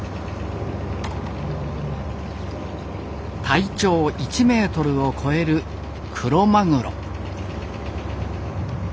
体長１メートルを超えるクロマグロ。